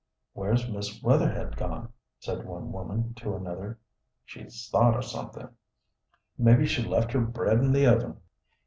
"Where's Miss Wetherhed gone?" said one woman to another. "She's thought of somethin'." "Maybe she left her bread in the oven."